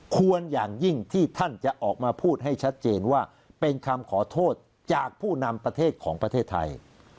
ควรอย่างยิ่งที่ท่านจะออกมาพูดให้ชัดเจนว่าเป็นคำขอโทษจากผู้นำประเทศของประเทศไทย